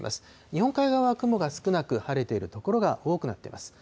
日本海側は雲が少なく、晴れている所が多くなっています。